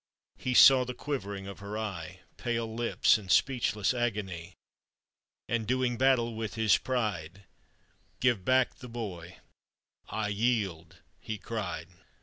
He saw the quivering of her eye, Pale lips, and speechless agony — And doing battle with his pride, " Give back the boy — I yield," he cried.